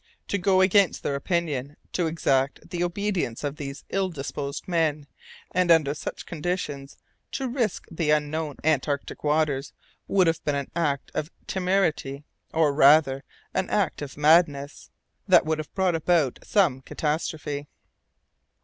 To go against their opinion, to exact the obedience of these ill disposed men, and under such conditions to risk the unknown Antarctic waters, would have been an act of temerity or, rather, an act of madness that would have brought about some catastrophe.